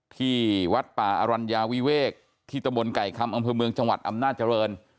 ที่วัดป่าอรัญญาวิเวกที่ตะบนไก่คำอำเภอเมืองจังหวัดอำนาจริง